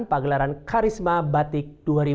pagelaran karisma batik dua ribu dua puluh